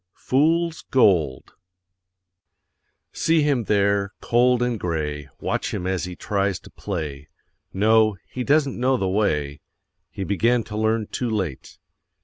FOOL'S GOLD See him there, cold and gray, Watch him as he tries to play; No, he doesn't know the way He began to learn too late.